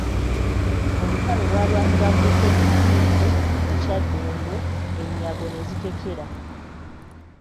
Olutalo lwalwanirwa mu lusenyi Nsiike mu Kyaddondo, ennyago ne zikekera.